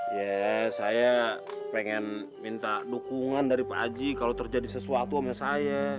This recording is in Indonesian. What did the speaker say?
ya saya pengen minta dukungan dari pak aji kalau terjadi sesuatu sama saya